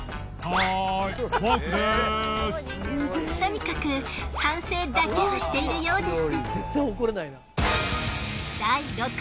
とにかく反省だけはしているようです。